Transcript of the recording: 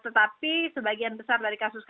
tetapi sebagian besar dari kasus kasus baru